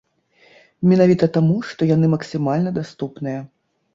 Менавіта таму, што яны максімальна даступныя.